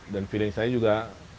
dan feeling saya juga